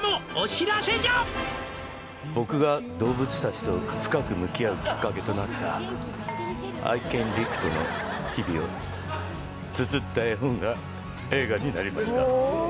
僕が動物たちと深く向き合うきっかけとなった愛犬リクとの日々をつづった絵本が映画になりました